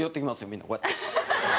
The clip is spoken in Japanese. みんなこうやって。